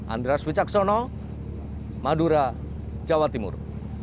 andras wicaksono madura jawa timur